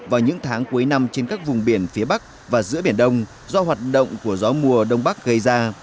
vào những tháng cuối năm trên các vùng biển phía bắc và giữa biển đông do hoạt động của gió mùa đông bắc gây ra